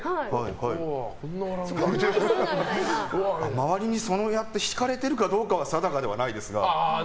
周りにそうやって引かれてるかどうかは定かではないですが。